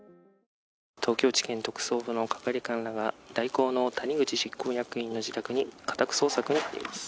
東京地検特捜部の係官らが大広の谷口執行役員の家に家宅捜索に入ります。